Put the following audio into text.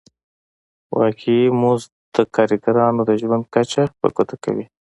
واقعي مزد د کارګرانو د ژوند کچه په ګوته کوي